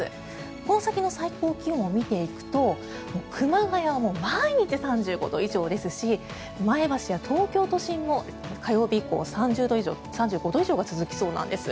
この先の最高気温を見ていくと熊谷は毎日３５度以上ですし前橋や東京都心も火曜日以降、３５度以上が続きそうなんです。